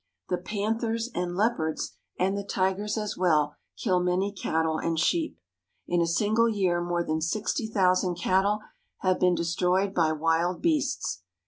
The panthers and leopards, and the tigers as well, kill many cattle and sheep. In a single year more than sixty thousand cattle have been destroyed by wild beasts.